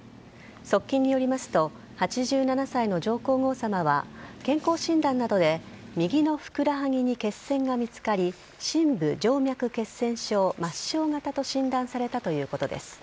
側近によりますと８７歳の上皇后さまは健康診断などで右のふくらはぎに血栓が見つかり深部静脈血栓症・末梢型と診断されたということです。